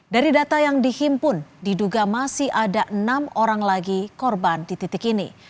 dari data yang dihimpun diduga masih ada enam orang lagi korban di titik ini